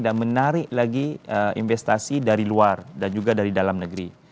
dan menarik lagi investasi dari luar dan juga dari dalam negeri